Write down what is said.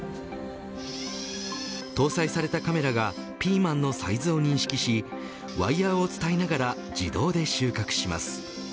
搭載されたカメラがピーマンのサイズを認識しワイヤーをつたいながら自動で収穫します。